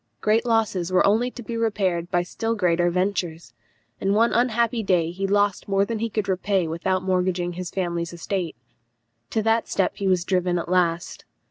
Great losses were only to be repaired by still greater ventures, and one unhappy day he lost more than he could repay without mortgaging his family estate. To that step he was driven at last.